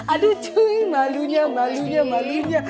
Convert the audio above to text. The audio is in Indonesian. aduh cuy malunya malunya malunya